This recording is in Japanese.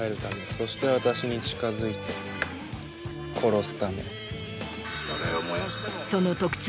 そして私に近づいて殺すため。